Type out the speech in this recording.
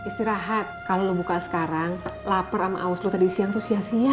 jadi rahaat kalo lo buka sekarang lapar sama aus lo tadi siang tuh sia sia